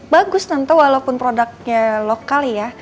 bagus tentu walaupun produknya lokal ya